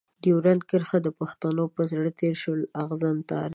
ډيورنډ کرښه د پښتنو په زړه تېر شوی اغزن تار دی.